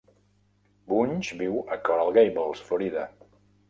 Bunge viu a Coral Gables (Florida).